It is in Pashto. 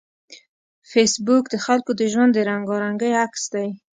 فېسبوک د خلکو د ژوند د رنګارنګۍ عکس دی